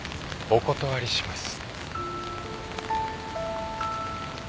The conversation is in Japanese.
お断りします。